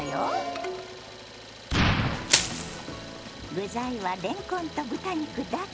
具材はれんこんと豚肉だけ！